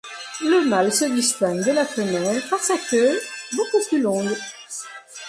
Le mâle se distingue de la femelle par sa queue beaucoup plus longue.